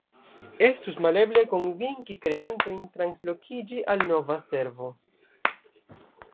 Estus maleble konvinki kreantojn translokiĝi al nova servo.